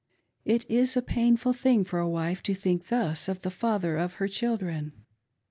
It is a painful thing for a wife to think thus of the father of her children.